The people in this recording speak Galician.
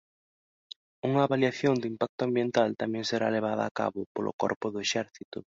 Unha avaliación de impacto ambiental tamén será levada a cabo polo Corpo do Exército.